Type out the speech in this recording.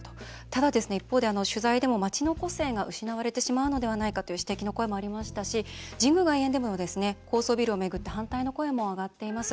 一方で取材では街の個性が失われるのではという指摘の声もありましたし神宮外苑でも高層ビルを巡って反対の声も上がっています。